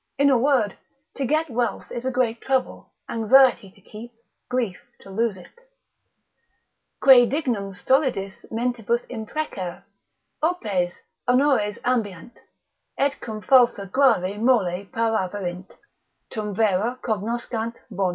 In a word, to get wealth is a great trouble, anxiety to keep, grief to lose it. Quid dignum stolidis mentibus imprecer? Opes, honores ambiant: Et cum falsa gravi mole paraverint, Tum vera cognoscant bona.